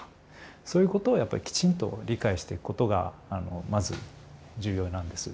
そういうことをやっぱりきちんと理解していくことがまず重要なんです。